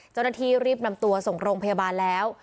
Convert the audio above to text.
เจ้าหน้าที่รีบนำตัวส่งโรงพยาบาลแล้ว